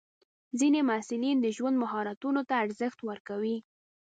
ځینې محصلین د ژوند مهارتونو ته ارزښت ورکوي.